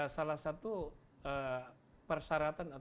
salah satu persyaratan atau persyaratan yang harus dilakukan adalah